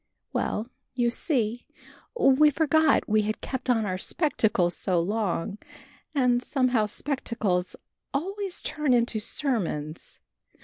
Well, you see, we forgot we had kept on our spectacles so long, and somehow spectacles always turn into sermons.